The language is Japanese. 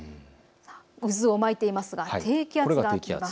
渦を巻いていますがこれが低気圧です。